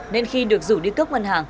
nên khi được rủ đi cướp ngân hàng